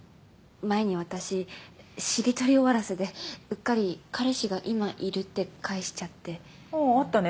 前に私しりとり終わらせでうっかり彼氏が今いるって返しちゃってああーあったね